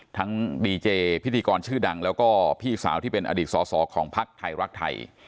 ทั้งดีเจพิธีกรชื่อดังแล้วก็พี่สาวที่เป็นอดีตสอสอของพักไทยรักไทย